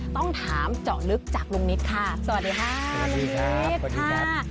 ต้องถามเจาะลึกจากลุงนิดค่ะสวัสดีค่ะสวัสดีครับสวัสดีครับ